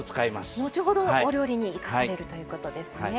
後ほどお料理に生かされるということですね。